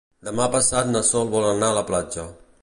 Demà passat na Sol vol anar a la platja.